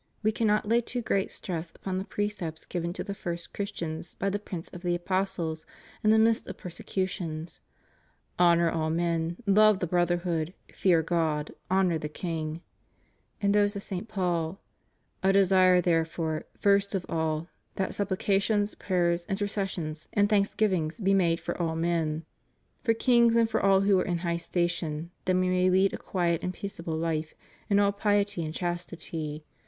We cannot lay too great stress upon the precepts given to the first Christians by the Prince of the apostles in the midst of persecutions: "Honor all men: love the brotherhood: fear God: honor the king"; and those of St. Paul: "I desire, therefore, first of all, that supplications, prayers, intercessions, and thanksgivings be made for all men: For kings and for all who are in high station, that we may lead a quiet and peaceable life, in all piety and chastity.